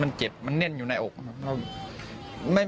มันเจ็บมันแน่นอยู่ในอกครับ